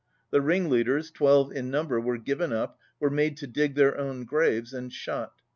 The ringleaders, twelve in number, were given up, were made to dig their own graves, and shot.